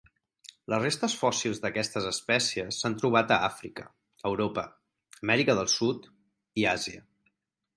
Les restes fòssils d'aquestes espècies s'han trobat a Àfrica, Europa, Amèrica del sud i Àsia.